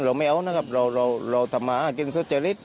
เราไม่เอานะครับเราทำมาหากินสุจริต